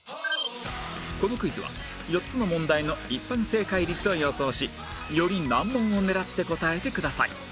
このクイズは４つの問題の一般正解率を予想しより難問を狙って答えてください